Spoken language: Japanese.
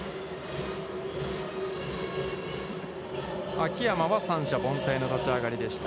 秋山は三者凡退の立ち上がりでした。